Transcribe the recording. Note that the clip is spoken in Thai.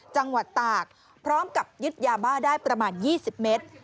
จังหวัดตากพร้อมกับยึดยาบ้าได้ประมาณ๒๐เมตร